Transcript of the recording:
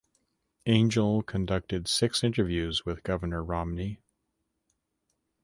Angel conducted six interviews with Governor Romney.